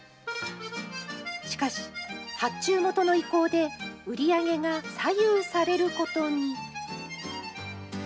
しかし、発注元の意向で売り上げが左右されることに。